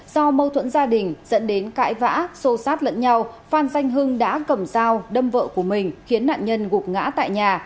do mâu thuẫn gia đình dẫn đến cãi vã xô sát lẫn nhau phan danh hưng đã cầm dao đâm vợ của mình khiến nạn nhân gục ngã tại nhà